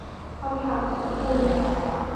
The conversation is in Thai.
คำถามของคุณ